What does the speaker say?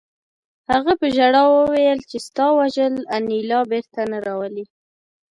هغه په ژړا وویل چې ستا وژل انیلا بېرته نه راولي